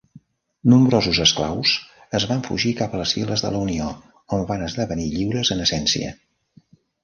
Nombrosos esclaus es van fugir cap a les files de la Unió, on van esdevenir lliures en essència.